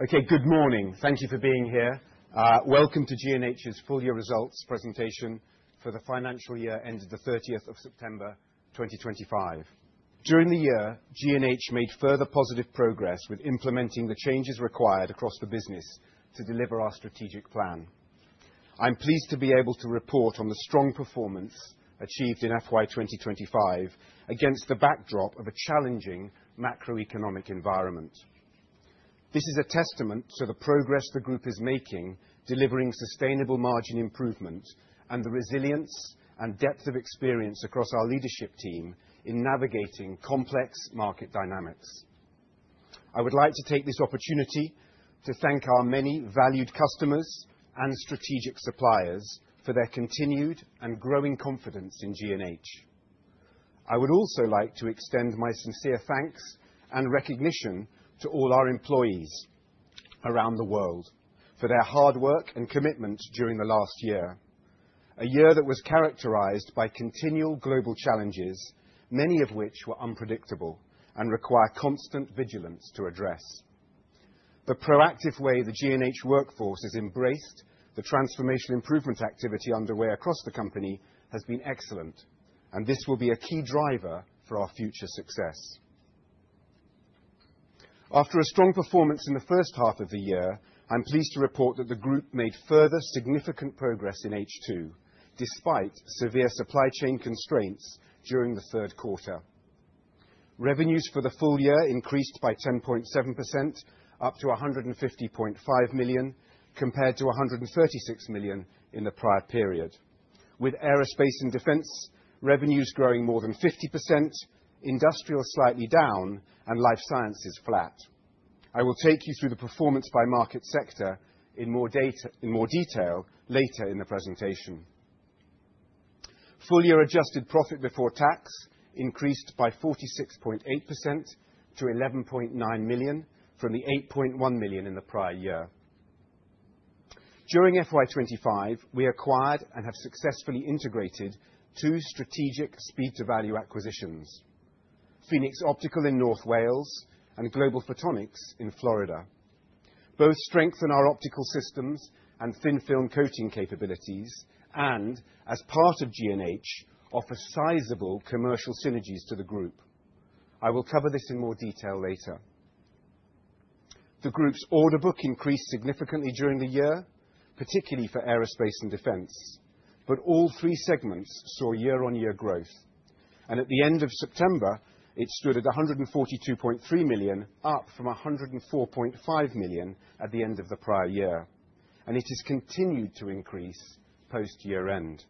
Okay, good morning. Thank you for being here. Welcome to G&H's full year results presentation for the financial year ended the 30th of September 2025. During the year, G&H made further positive progress with implementing the changes required across the business to deliver our strategic plan. I'm pleased to be able to report on the strong performance achieved in FY 2025 against the backdrop of a challenging macroeconomic environment. This is a testament to the progress the group is making, delivering sustainable margin improvement, and the resilience and depth of experience across our leadership team in navigating complex market dynamics. I would like to take this opportunity to thank our many valued customers and strategic suppliers for their continued and growing confidence in G&H. I would also like to extend my sincere thanks and recognition to all our employees around the world for their hard work and commitment during the last year. A year that was characterized by continual global challenges, many of which were unpredictable and require constant vigilance to address. The proactive way the G&H workforce has embraced the transformational improvement activity underway across the company has been excellent, and this will be a key driver for our future success. After a strong performance in the first half of the year, I'm pleased to report that the group made further significant progress in H2, despite severe supply chain constraints during the third quarter. Revenues for the full year increased by 10.7%, up to 150.5 million, compared to 136 million in the prior period. With aerospace and defense revenues growing more than 50%, industrial slightly down, and life sciences flat. I will take you through the performance by market sector in more detail later in the presentation. Full year adjusted profit before tax increased by 46.8% to 11.9 million from the 8.1 million in the prior year. During FY 2025, we acquired and have successfully integrated two strategic speed to value acquisitions, Phoenix Optical Technologies in North Wales and Global Photonics in Florida. Both strengthen our optical systems and thin film coating capabilities, and as part of G&H, offer sizable commercial synergies to the group. I will cover this in more detail later. The group's order book increased significantly during the year, particularly for aerospace and defense. All three segments saw year-on-year growth. At the end of September, it stood at 142.3 million, up from 104.5 million at the end of the prior year. It has continued to increase post year-end.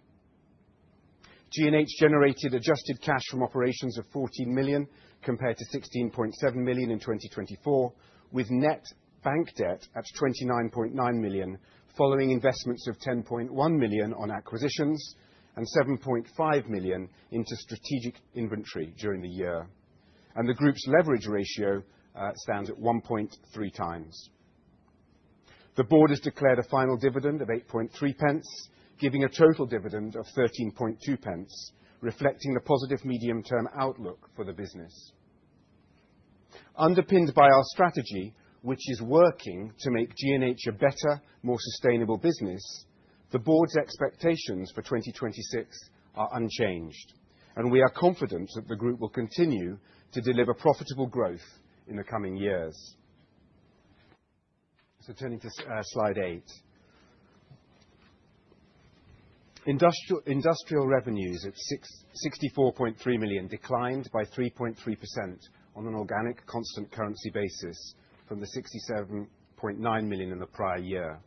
G&H generated adjusted cash from operations of 14 million compared to 16.7 million in 2024, with net bank debt at 29.9 million, following investments of 10.1 million on acquisitions and 7.5 million into strategic inventory during the year. The group's leverage ratio stands at 1.3 times. The board has declared a final dividend of 0.083, giving a total dividend of 0.132, reflecting the positive medium-term outlook for the business. Underpinned by our strategy, which is working to make G&H a better, more sustainable business, the board's expectations for 2026 are unchanged, and we are confident that the group will continue to deliver profitable growth in the coming years. Turning to slide 8. Industrial revenues at 64.3 million declined by 3.3% on an organic constant currency basis from the 67.9 million in the prior year.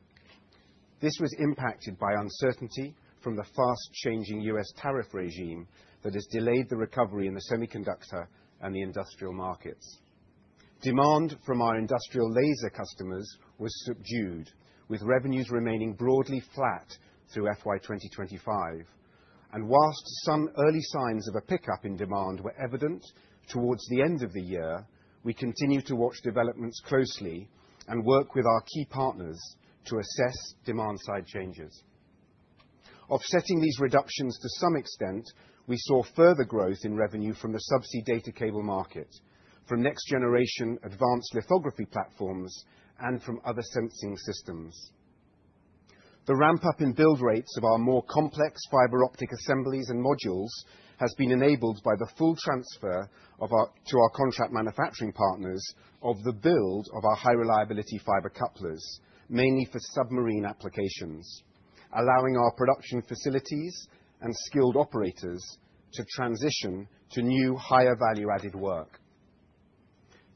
This was impacted by uncertainty from the fast-changing U.S. tariff regime that has delayed the recovery in the semiconductor and the industrial markets. Demand from our industrial laser customers was subdued, with revenues remaining broadly flat through FY 2025. While some early signs of a pickup in demand were evident towards the end of the year, we continue to watch developments closely and work with our key partners to assess demand-side changes. Offsetting these reductions to some extent, we saw further growth in revenue from the subsea data cable market, from next-generation advanced lithography platforms, and from other sensing systems. The ramp-up in build rates of our more complex fiber optic assemblies and modules has been enabled by the full transfer to our contract manufacturing partners of the build of our high-reliability fiber couplers, mainly for submarine applications, allowing our production facilities and skilled operators to transition to new higher value added work.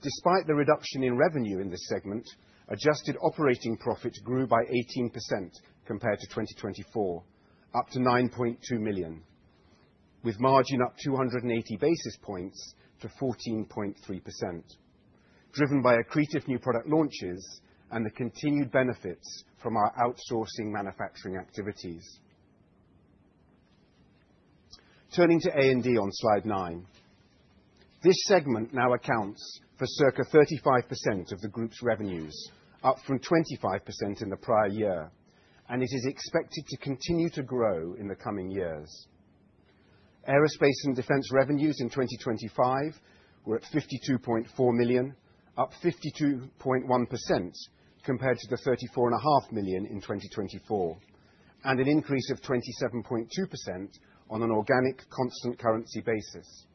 Despite the reduction in revenue in this segment, adjusted operating profit grew by 18% compared to 2024, up to 9.2 million, with margin up 280 basis points to 14.3%, driven by accretive new product launches and the continued benefits from our outsourcing manufacturing activities. Turning to A&D on slide nine. This segment now accounts for circa 35% of the group's revenues, up from 25% in the prior year, and it is expected to continue to grow in the coming years. Aerospace and defense revenues in 2025 were at 52.4 million, up 52.1% compared to the 34.5 million in 2024, and an increase of 27.2% on an organic constant currency basis.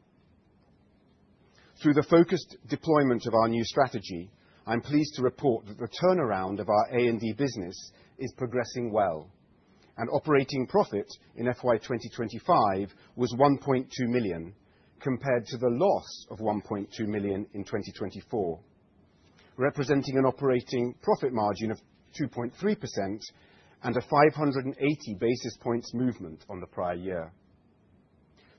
Through the focused deployment of our new strategy, I'm pleased to report that the turnaround of our A&D business is progressing well, and operating profit in FY 2025 was 1.2 million compared to the loss of 1.2 million in 2024, representing an operating profit margin of 2.3% and a 580 basis points movement on the prior year.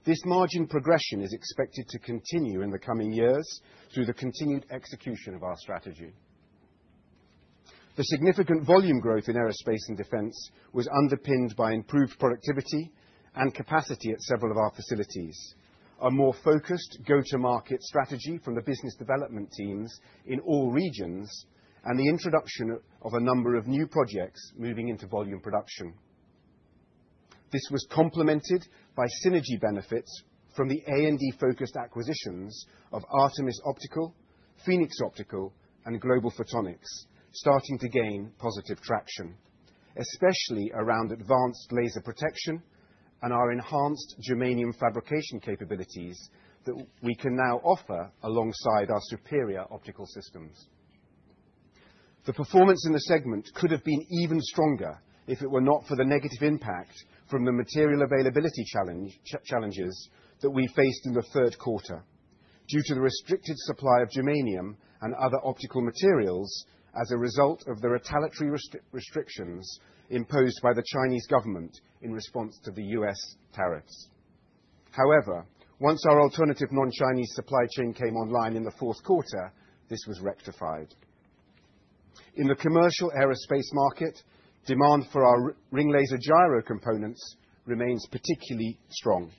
This margin progression is expected to continue in the coming years through the continued execution of our strategy. The significant volume growth in aerospace and defense was underpinned by improved productivity and capacity at several of our facilities. A more focused go-to-market strategy from the business development teams in all regions and the introduction of a number of new projects moving into volume production. This was complemented by synergy benefits from the A&D-focused acquisitions of Artemis Optical, Phoenix Optical, and Global Photonics starting to gain positive traction, especially around advanced laser protection and our enhanced germanium fabrication capabilities that we can now offer alongside our superior optical systems. The performance in the segment could have been even stronger if it were not for the negative impact from the material availability challenge, challenges that we faced in the third quarter due to the restricted supply of germanium and other optical materials as a result of the retaliatory restrictions imposed by the Chinese government in response to the US tariffs. However, once our alternative non-Chinese supply chain came online in the fourth quarter, this was rectified. In the commercial aerospace market, demand for our ring laser gyro components remains particularly strong,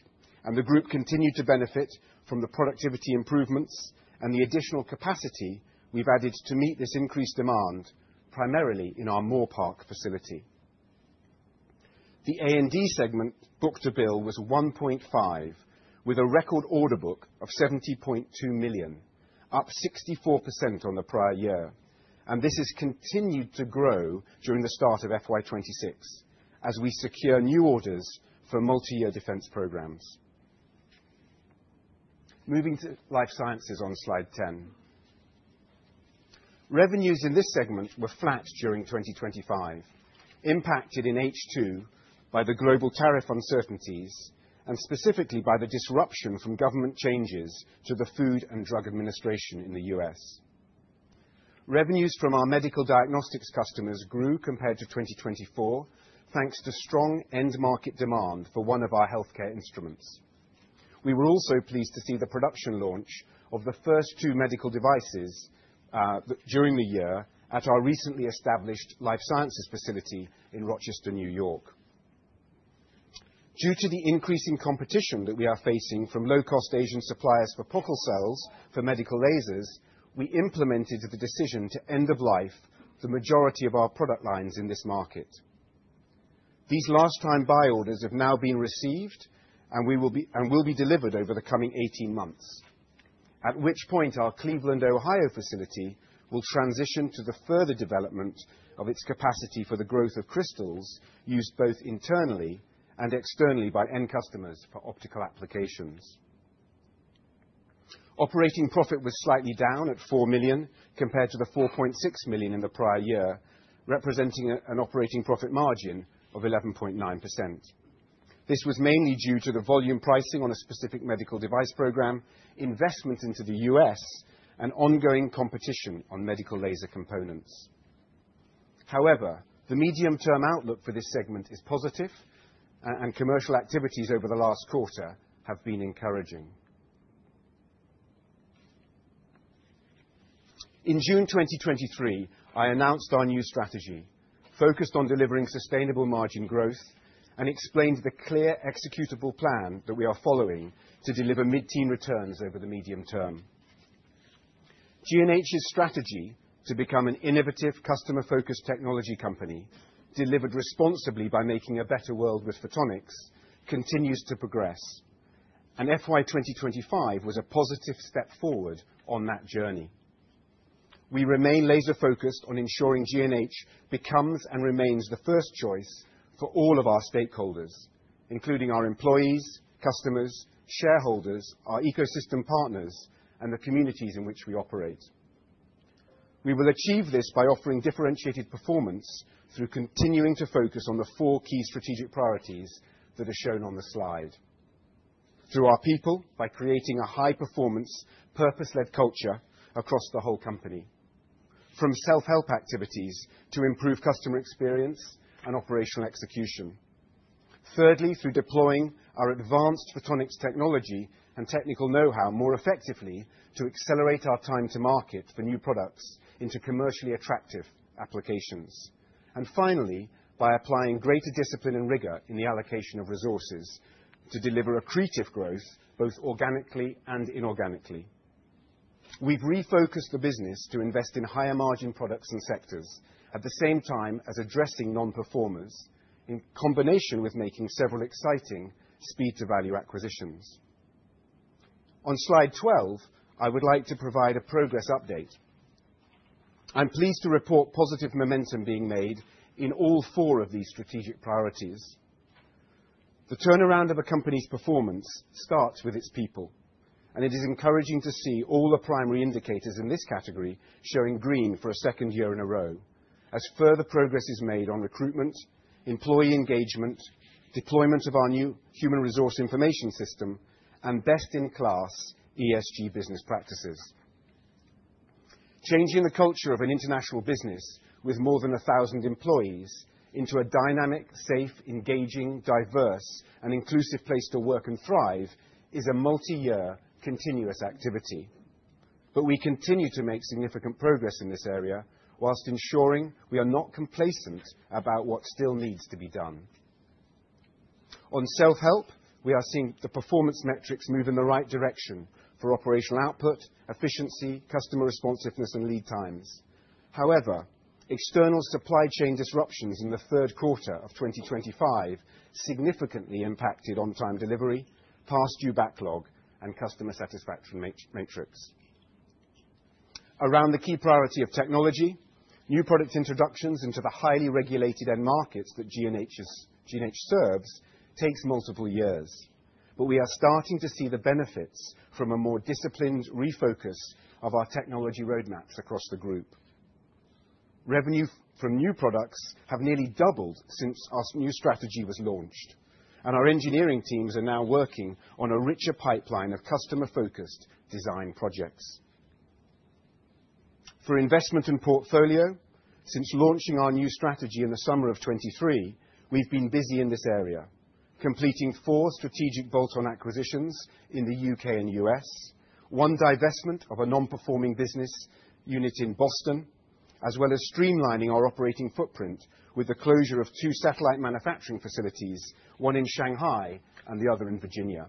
and the group continued to benefit from the productivity improvements and the additional capacity we've added to meet this increased demand, primarily in our Moorpark facility. The A&D segment book-to-bill was 1.5, with a record order book of 70.2 million, up 64% on the prior year, and this has continued to grow during the start of FY 2026 as we secure new orders for multiyear defense programs. Moving to life sciences on slide 10. Revenues in this segment were flat during 2025, impacted in H2 by the global tariff uncertainties and specifically by the disruption from government changes to the Food and Drug Administration in the U.S. Revenues from our medical diagnostics customers grew compared to 2024, thanks to strong end market demand for one of our healthcare instruments. We were also pleased to see the production launch of the first two medical devices during the year at our recently established life sciences facility in Rochester, New York. Due to the increasing competition that we are facing from low-cost Asian suppliers for Pockels cells for medical lasers, we implemented the decision to end of life the majority of our product lines in this market. These last-time buy orders have now been received, and will be delivered over the coming 18 months, at which point our Cleveland, Ohio, facility will transition to the further development of its capacity for the growth of crystals used both internally and externally by end customers for optical applications. Operating profit was slightly down at 4 million compared to the 4.6 million in the prior year, representing an operating profit margin of 11.9%. This was mainly due to the volume pricing on a specific medical device program, investment into the US, and ongoing competition on medical laser components. However, the medium-term outlook for this segment is positive and commercial activities over the last quarter have been encouraging. In June 2023, I announced our new strategy focused on delivering sustainable margin growth and explained the clear executable plan that we are following to deliver mid-teen returns over the medium term. G&H's strategy to become an innovative, customer-focused technology company delivered responsibly by making a better world with photonics continues to progress, and FY 2025 was a positive step forward on that journey. We remain laser-focused on ensuring G&H becomes and remains the first choice for all of our stakeholders, including our employees, customers, shareholders, our ecosystem partners, and the communities in which we operate. We will achieve this by offering differentiated performance through continuing to focus on the four key strategic priorities that are shown on the slide. Through our people, by creating a high-performance, purpose-led culture across the whole company, from self-help activities to improved customer experience and operational execution. Thirdly, through deploying our advanced photonics technology and technical know-how more effectively to accelerate our time to market for new products into commercially attractive applications. Finally, by applying greater discipline and rigor in the allocation of resources to deliver accretive growth, both organically and inorganically. We've refocused the business to invest in higher margin products and sectors at the same time as addressing non-performers, in combination with making several exciting speed to value acquisitions. On slide twelve, I would like to provide a progress update. I'm pleased to report positive momentum being made in all four of these strategic priorities. The turnaround of a company's performance starts with its people, and it is encouraging to see all the primary indicators in this category showing green for a second year in a row as further progress is made on recruitment, employee engagement, deployment of our new human resource information system, and best in class ESG business practices. Changing the culture of an international business with more than a thousand employees into a dynamic, safe, engaging, diverse, and inclusive place to work and thrive is a multi-year continuous activity. We continue to make significant progress in this area while ensuring we are not complacent about what still needs to be done. On self-help, we are seeing the performance metrics move in the right direction for operational output, efficiency, customer responsiveness, and lead times. However, external supply chain disruptions in the third quarter of 2025 significantly impacted on-time delivery, past due backlog, and customer satisfaction metrics. Around the key priority of technology, new product introductions into the highly regulated end markets that G&H serves takes multiple years, but we are starting to see the benefits from a more disciplined refocus of our technology roadmaps across the group. Revenue from new products have nearly doubled since our new strategy was launched, and our engineering teams are now working on a richer pipeline of customer focused design projects. For investment in portfolio, since launching our new strategy in the summer of 2023, we've been busy in this area, completing four strategic bolt-on acquisitions in the U.K. and U.S., one divestment of a non-performing business unit in Boston, as well as streamlining our operating footprint with the closure of two satellite manufacturing facilities, one in Shanghai and the other in Virginia.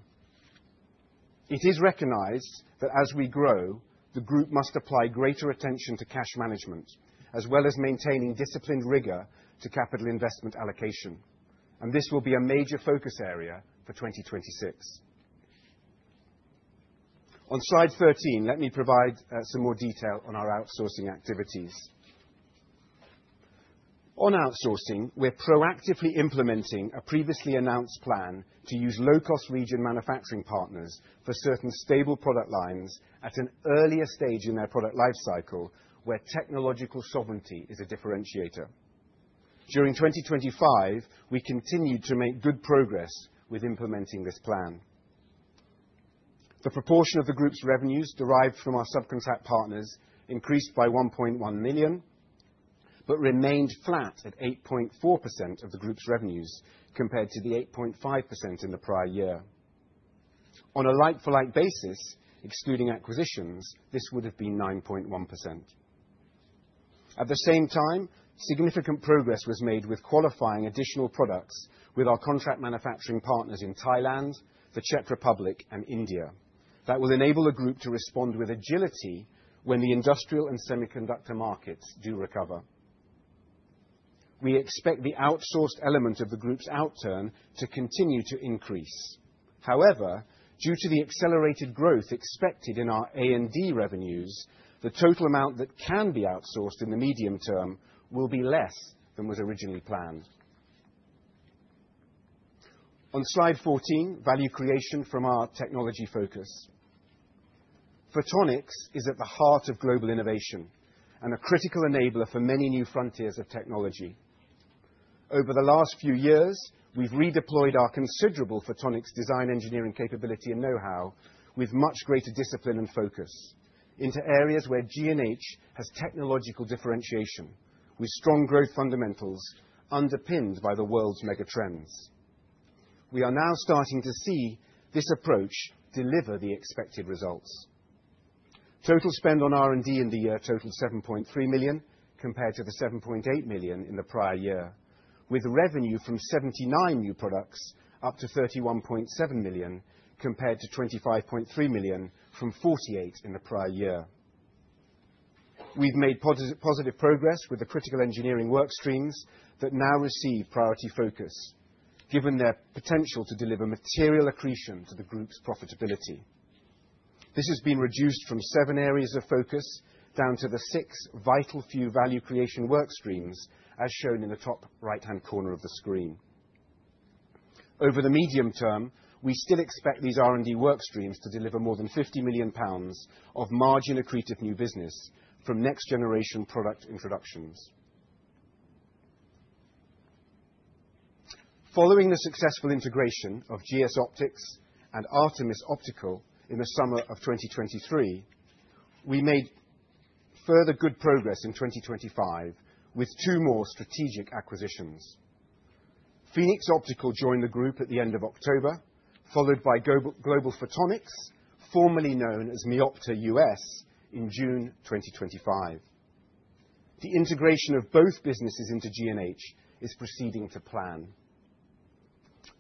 It is recognized that as we grow, the group must apply greater attention to cash management, as well as maintaining disciplined rigor to capital investment allocation, and this will be a major focus area for 2026. On slide 13, let me provide some more detail on our outsourcing activities. On outsourcing, we're proactively implementing a previously announced plan to use low-cost region manufacturing partners for certain stable product lines at an earlier stage in their product life cycle, where technological sovereignty is a differentiator. During 2025, we continued to make good progress with implementing this plan. The proportion of the group's revenues derived from our sub-contract partners increased by 1.1 million, but remained flat at 8.4% of the group's revenues compared to the 8.5% in the prior year. On a like-for-like basis, excluding acquisitions, this would have been 9.1%. At the same time, significant progress was made with qualifying additional products with our contract manufacturing partners in Thailand, the Czech Republic, and India that will enable the group to respond with agility when the industrial and semiconductor markets do recover. We expect the outsourced element of the group's outturn to continue to increase. However, due to the accelerated growth expected in our A&D revenues, the total amount that can be outsourced in the medium term will be less than was originally planned. On Slide 14, value creation from our technology focus. Photonics is at the heart of global innovation and a critical enabler for many new frontiers of technology. Over the last few years, we've redeployed our considerable Photonics design engineering capability know-how with much greater discipline and focus into areas where G&H has technological differentiation with strong growth fundamentals underpinned by the world's mega trends. We are now starting to see this approach deliver the expected results. Total spend on R&D in the year totaled 7.3 million compared to the 7.8 million in the prior year, with revenue from 79 new products up to 31.7 million compared to 25.3 million from 48 in the prior year. We've made positive progress with the critical engineering work streams that now receive priority focus given their potential to deliver material accretion to the group's profitability. This has been reduced from 7 areas of focus down to the 6 vital few value creation work streams, as shown in the top right-hand corner of the screen. Over the medium term, we still expect these R&D work streams to deliver more than 50 million pounds of margin accretive new business from next generation product introductions. Following the successful integration of GS Optics and Artemis Optical in the summer of 2023, we made further good progress in 2025 with 2 more strategic acquisitions. Phoenix Optical joined the group at the end of October, followed by Global Photonics, formerly known as Meopta U.S., in June 2025. The integration of both businesses into G&H is proceeding to plan.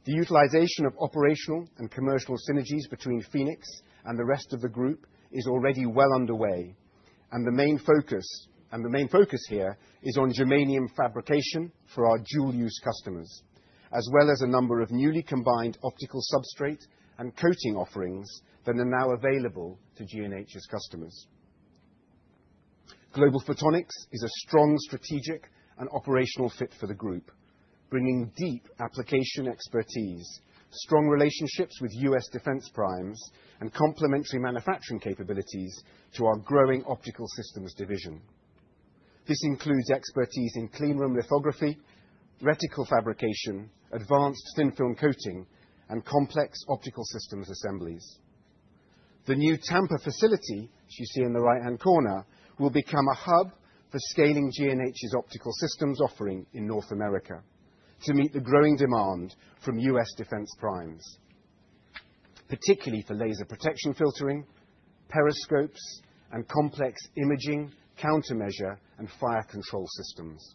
The utilization of operational and commercial synergies between Phoenix and the rest of the group is already well underway, and the main focus here is on germanium fabrication for our dual-use customers, as well as a number of newly combined optical substrate and coating offerings that are now available to G&H's customers. Global Photonics is a strong strategic and operational fit for the group, bringing deep application expertise, strong relationships with US defense primes, and complementary manufacturing capabilities to our growing Optical Systems division. This includes expertise in clean room lithography, reticle fabrication, advanced thin film coating, and complex optical systems assemblies. The new Tampa facility, as you see in the right-hand corner, will become a hub for scaling G&H's optical systems offering in North America to meet the growing demand from US defense primes. Particularly for laser protection filtering, periscopes, and complex imaging, countermeasure, and fire control systems.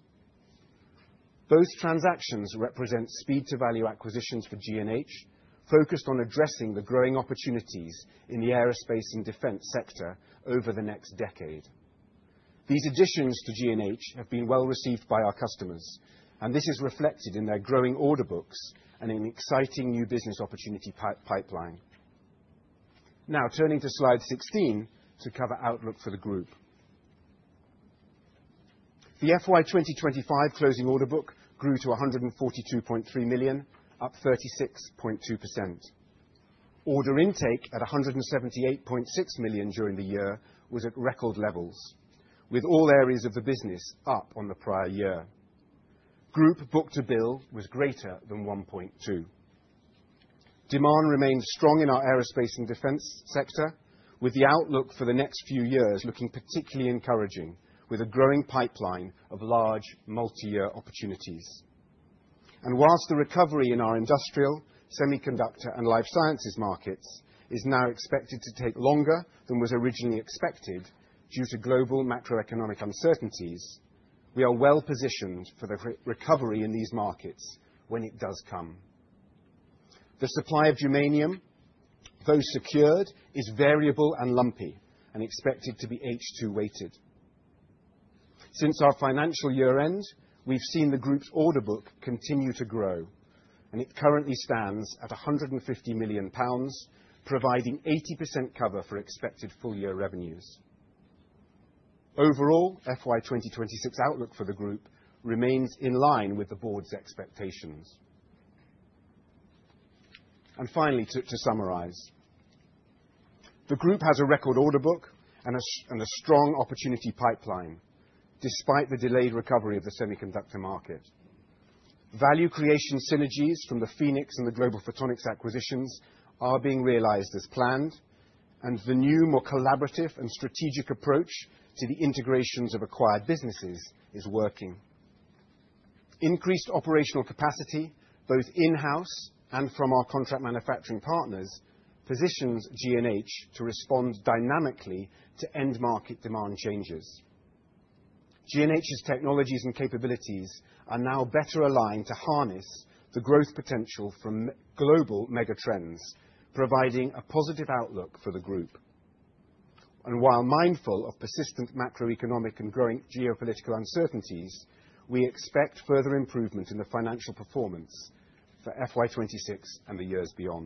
Both transactions represent speed to value acquisitions for G&H, focused on addressing the growing opportunities in the aerospace and defense sector over the next decade. These additions to G&H have been well-received by our customers, and this is reflected in their growing order books and an exciting new business opportunity pipeline. Now, turning to slide 16 to cover outlook for the group. The FY 2025 closing order book grew to 142.3 million, up 36.2%. Order intake at 178.6 million during the year was at record levels, with all areas of the business up on the prior year. Group book-to-bill was greater than 1.2. Demand remained strong in our aerospace and defense sector, with the outlook for the next few years looking particularly encouraging, with a growing pipeline of large multi-year opportunities. Whilst the recovery in our industrial, semiconductor, and life sciences markets is now expected to take longer than was originally expected due to global macroeconomic uncertainties, we are well positioned for the recovery in these markets when it does come. The supply of germanium, though secured, is variable and lumpy and expected to be H2 weighted. Since our financial year end, we've seen the group's order book continue to grow, and it currently stands at 150 million pounds, providing 80% cover for expected full year revenues. Overall, FY 2026 outlook for the group remains in line with the board's expectations. Finally, to summarize. The group has a record order book and a strong opportunity pipeline, despite the delayed recovery of the semiconductor market. Value creation synergies from the Phoenix Optical Technologies and the Global Photonics acquisitions are being realized as planned, and the new, more collaborative and strategic approach to the integrations of acquired businesses is working. Increased operational capacity, both in-house and from our contract manufacturing partners, positions G&H to respond dynamically to end market demand changes. G&H's technologies and capabilities are now better aligned to harness the growth potential from global mega trends, providing a positive outlook for the group. While mindful of persistent macroeconomic and growing geopolitical uncertainties, we expect further improvement in the financial performance for FY 2026 and the years beyond.